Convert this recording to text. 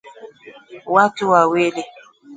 watu wawili